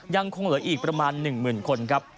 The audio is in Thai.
ยังคงเหลืออีกประมาณ๑๐๐๐คนครับ